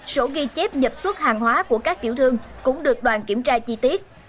sổ ghi chép nhập xuất hàng hóa của các tiểu thương cũng được đoàn kiểm tra chi tiết